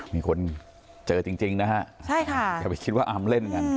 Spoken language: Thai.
มีคนเจอจริงจริงนะฮะใช่ค่ะอย่าไปคิดว่าอำเล่นกัน